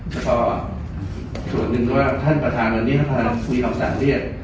แล้วก็ส่วนหนึ่งว่าท่านประธานวันนี้พอเราคุยคำสั่งเรียก